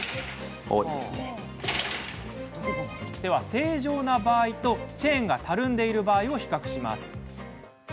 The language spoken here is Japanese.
正常な場合とチェーンがたるんでいる場合を比較します。